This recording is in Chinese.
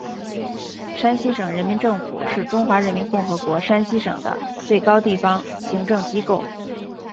山西省人民政府是中华人民共和国山西省的最高地方行政机构。